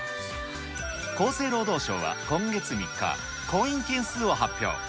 厚生労働省は今月３日、婚姻件数を発表。